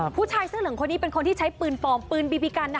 ผู้ชายเสื้อเหลืองคนนี้เป็นคนที่ใช้ปืนปลอมปืนบีบีกัน